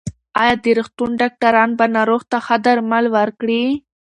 ایا د روغتون ډاکټران به ناروغ ته ښه درمل ورکړي؟